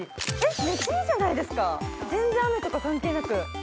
めっちゃいいじゃないですか、全然雨とか関係なく。